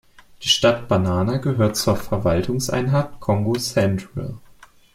Die Stadt Banana gehört zur Verwaltungseinheit Kongo Central.